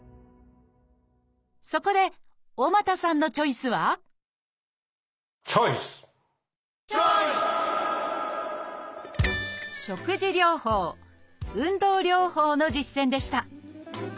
そこで尾又さんのチョイスはチョイス！の実践でした。